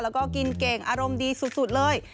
แล้วก็กินเก่งอารมณ์ดีสุดเลย